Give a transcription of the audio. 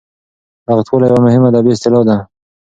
رغښتواله یوه مهمه ادبي اصطلاح ده.